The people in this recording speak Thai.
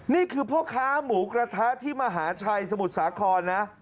นี่คือพ่อค้าหมูกระทะที่มหาชัยสมุทรสาครนะ